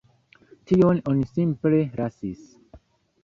Tion oni simple lasis.